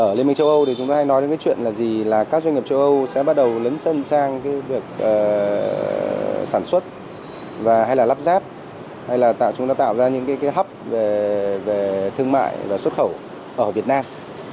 ở liên minh châu âu thì chúng ta hay nói đến cái chuyện là gì là các doanh nghiệp châu âu sẽ bắt đầu lấn sân sang cái việc sản xuất và hay là lắp ráp hay là tạo chúng ta tạo ra những cái hóc về thương mại và xuất khẩu ở việt nam